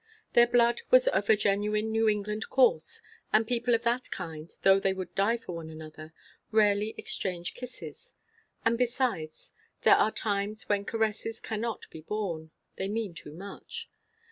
Their blood was of a genuine New England course; and people of that kind, though they would die for one another, rarely exchange kisses. And besides, there are times when caresses cannot be borne; they mean too much.